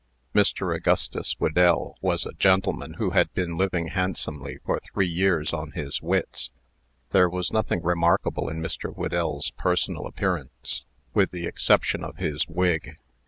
Mr. Augustus Whedell was a gentleman who had been living handsomely for three years on his wits. There was nothing remarkable in Mr. Whedell's personal appearance, with the exception of his wig.